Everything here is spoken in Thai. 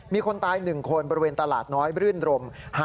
มีคนตาย๑คนบริเวณตลาดน้อยบรื่นรม